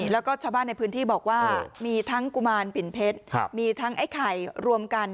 แล้วก็ชาวบ้านในพื้นที่บอกว่ามีทั้งกุมารปิ่นเพชรมีทั้งไอ้ไข่รวมกัน